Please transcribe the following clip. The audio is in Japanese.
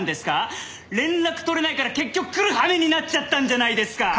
連絡取れないから結局来るはめになっちゃったんじゃないですか！